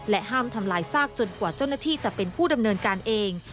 ห้ามทำลายซากจนกว่าเจ้าหน้าที่จะเป็นผู้ดำเนินการเอง